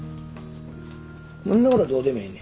そんなことはどうでもええねん。